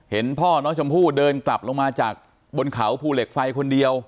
พ่อน้องชมพู่เดินกลับลงมาจากบนเขาภูเหล็กไฟคนเดียว